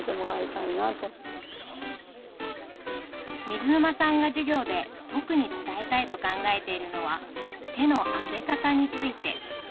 水沼さんが授業で特に伝えたいと考えているのは手のあげ方について。